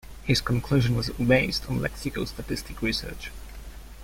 His conclusion was based on lexicostatistic research.